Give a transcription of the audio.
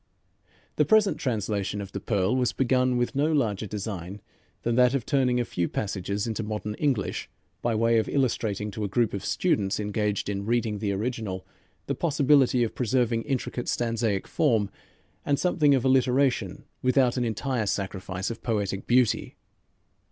The present translation of "The Pearl" was begun with no larger design than that of turning a few passages into modern English, by way of illustrating to a group of students engaged in reading the original, the possibility of preserving intricate stanzaic form, and something of alliteration, without an entire sacrifice of poetic beauty.